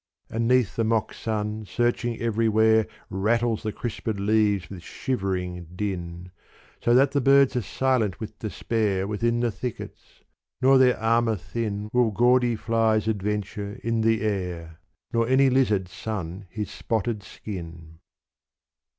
And 'neath the mock sun searching everywhere Rattles the crispdd leaves with shivering din : So that the birds are silent with despair Within the thickets, nor their armour thin Will gaudy flies adventure in the air Nor any lizard sun his spotted skin.